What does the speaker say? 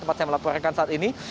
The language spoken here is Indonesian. tempat saya melaporkan saat ini